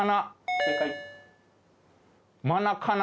正解。